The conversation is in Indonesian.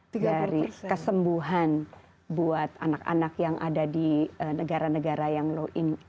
dari kesembuhan buat anak anak yang ada di negara negara yang low ini